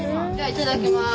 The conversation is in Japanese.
いただきます。